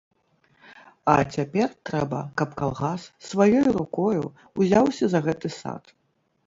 А цяпер трэба, каб калгас сваёю рукою ўзяўся за гэты сад.